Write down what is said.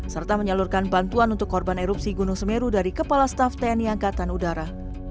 serta menyalurkan bantuan untuk korban erupsi gunung semeru dari kepala staff tni angkatan udara